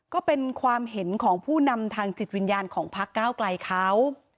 ก็เป็นความเห็นของผู้นำทางจิตวิญญาณของพักเก้าไกลเขา